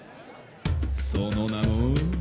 その名も。